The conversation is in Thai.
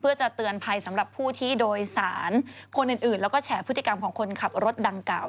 เพื่อจะเตือนภัยสำหรับผู้ที่โดยสารคนอื่นแล้วก็แฉพฤติกรรมของคนขับรถดังกล่าว